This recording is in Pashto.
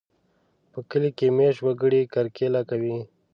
په کلي کې مېشت وګړي کرکېله کوي.